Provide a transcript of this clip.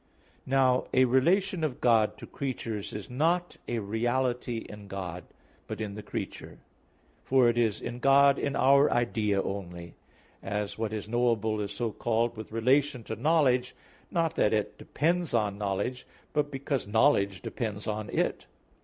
Now a relation of God to creatures, is not a reality in God, but in the creature; for it is in God in our idea only: as, what is knowable is so called with relation to knowledge, not that it depends on knowledge, but because knowledge depends on it.